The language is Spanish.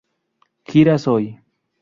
Gira Soy